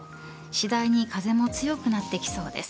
次第に風も強くなってきそうです。